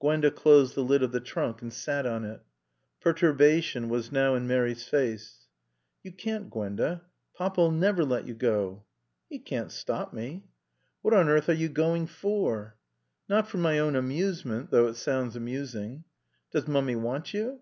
Gwenda closed the lid of the trunk and sat on it. (Perturbation was now in Mary's face.) "You can't, Gwenda. Papa'll never let you go." "He can't stop me." "What on earth are you going for?" "Not for my own amusement, though it sounds amusing." "Does Mummy want you?"